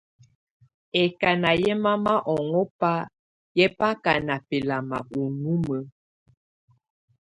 Ɛkáná yɛ́ mama ɔŋɔ́bá yɛ́ bá ká ná bɛ́lamá ú numǝ́.